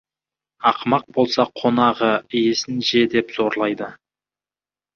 Ақымақ болса қонағы, иесін же деп зорлайды.